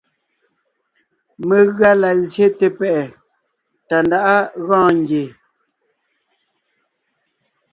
Megʉa la zsyete pɛ́ʼɛ Tàndáʼa gɔɔn ngie.